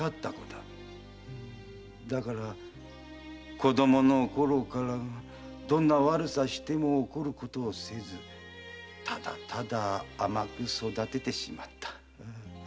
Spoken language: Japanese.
だから子供のころからどんな悪さをしても怒ることをせずただただ甘く育ててしまった。